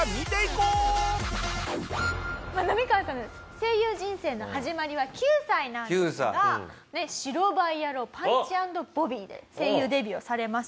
声優人生の始まりは９歳なんですが『白バイ野郎パンチ＆ボビー』で声優デビューをされます。